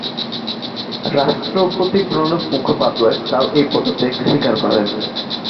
রাষ্ট্রপতি প্রণব মুখোপাধ্যায় তার এই পদত্যাগ স্বীকার করেন।